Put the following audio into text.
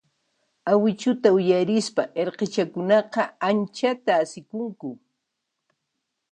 Awichuta uyarispa irqichakunaqa anchata asikunku.